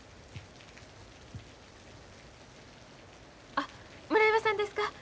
あ村山さんですか？